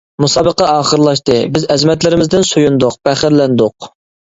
مۇسابىقە ئاخىرلاشتى، بىز ئەزىمەتلىرىمىزدىن سۆيۈندۇق، پەخىرلەندۇق.